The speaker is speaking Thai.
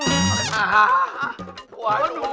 ผัวหนูค่ะ